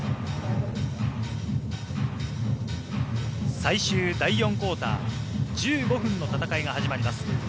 最終第４クオーター１５分の戦いが始まります。